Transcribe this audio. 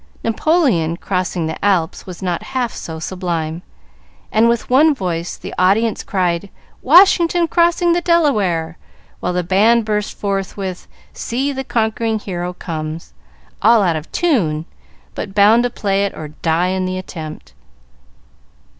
Napoleon crossing the Alps was not half so sublime, and with one voice the audience cried, "Washington crossing the Delaware!" while the band burst forth with, "See, the conquering hero comes!" all out of tune, but bound to play it or die in the attempt.